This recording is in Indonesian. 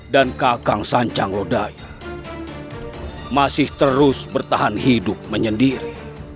dan kakang sancaglodaya masih terus bertahan hidup menyendiri